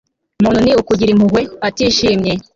muntu ni ukugirira impuhwe abatishimye